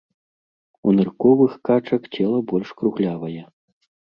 У нырковых качак цела больш круглявае.